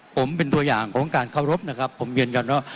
ผมเป็นตัวอย่างของการเคารพนะครับผมยืนยันว่า